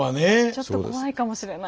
ちょっと怖いかもしれない。